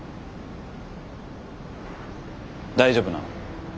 大丈夫なの？